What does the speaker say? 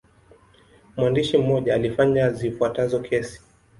Mwandishi mmoja alifanya zifuatazo kesi.